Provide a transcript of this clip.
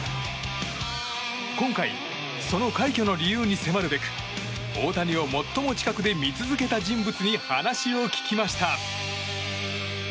今回、その快挙の理由に迫るべく大谷を最も近くで見続けた人物に話を聞きました。